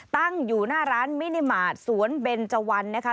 ตั้งอยู่หน้าร้านมินิมาตรสวนเบนเจวันนะคะ